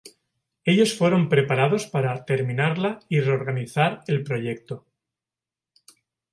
Ellos fueron preparados para terminarla y reorganizar el proyecto.